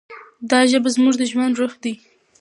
دا ژبه زموږ د ژوند روح دی.